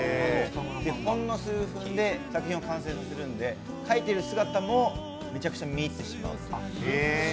ほんの数分で作品を完成させるんで、描いている最中もめちゃくちゃ見入ってしまう。